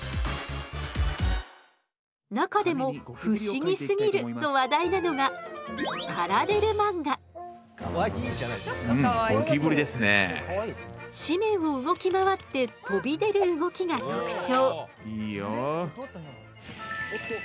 中でも「不思議すぎる！」と話題なのが紙面を動き回って飛び出る動きが特徴。